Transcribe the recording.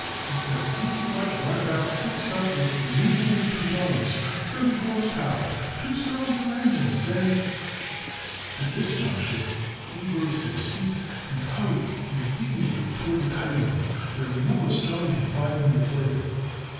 He's got three light runabouts fixed up with removable tonneaus, thirty horse power, two cylinder engines and " At this juncture Abe rose to his feet and hurried indignantly toward the cutting room, where Morris joined him five minutes later.